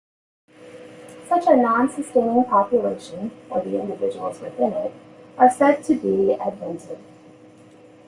Such a non-sustaining population, or the individuals within it, are said to be adventive.